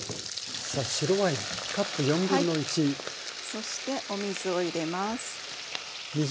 そしてお水を入れます。